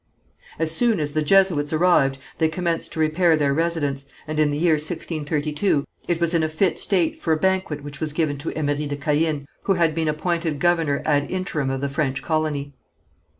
As soon as the Jesuits arrived they commenced to repair their residence, and in the year 1632 it was in a fit state for a banquet which was given to Emery de Caën, who had been appointed governor ad interim of the French colony.